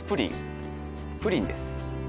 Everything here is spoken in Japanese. プリンです